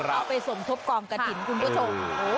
เอาไปสมทบกองกระถิ่นคุณผู้ชม